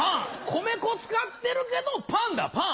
米粉使ってるけどパンだパン。